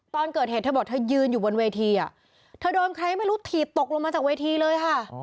ตอนเกิดเหตุเธอบอกเธอยืนอยู่บนเวทีอ่ะเธอโดนใครไม่รู้ถีบตกลงมาจากเวทีเลยค่ะ